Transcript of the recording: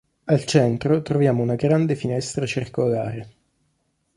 Al centro troviamo una grande finestra circolare.